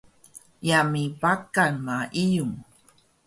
yami Bakan ma Iyung